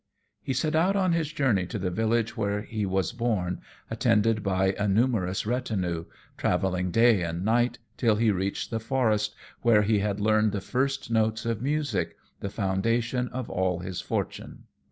He set out on his journey to the village where he was born, attended by a numerous retinue, travelling day and night till he reached the forest where he had learned the first notes of music, the foundation of all his fortune.